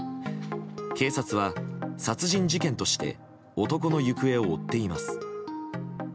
警察は、殺人事件として男の行方を追っています。